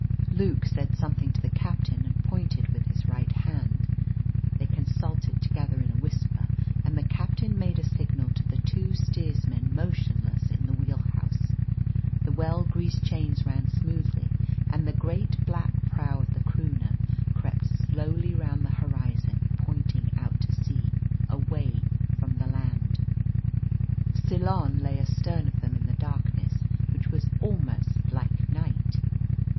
Luke said something to the captain, and pointed with his right hand. They consulted together in a whisper, and the captain made a signal to the two steersmen motionless in the wheelhouse. The well greased chains ran smoothly, and the great black prow of the Croonah crept slowly round the horizon pointing out to sea, away from the land. Ceylon lay astern of them in the darkness which was almost like night.